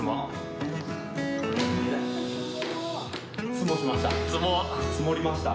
ツモしました。